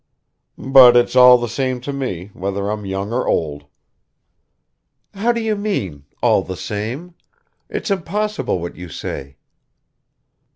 "But it's all the same to me, whether I'm young or old." "How do you mean all the same? It's impossible what you say."